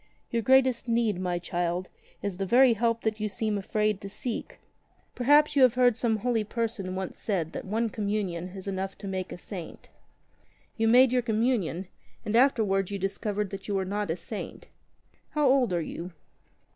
"Your greatest need, my child, is the very help that you seem afraid to seek. Perhaps you heard that some holy person once said that one Communion is enough to make a saint. You made your Communion, and afterwards you discovered that you were not a saint. How old are you